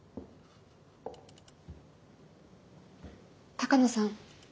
鷹野さん